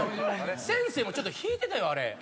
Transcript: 先生もちょっと引いてたよあれ。